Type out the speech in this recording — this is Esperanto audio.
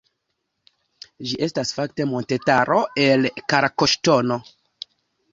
Ĝi estas fakte montetaro, el kalkoŝtono.